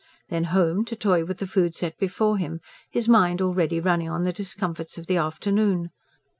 Then home, to toy with the food set before him, his mind already running on the discomforts of the afternoon.